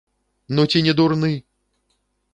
Ну ці не дурны!